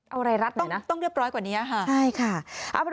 เอาอะไรรัดหน่อยนะใช่ค่ะเอาไปดู